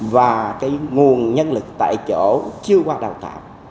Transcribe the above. và cái nguồn nhân lực tại chỗ chưa qua đào tạo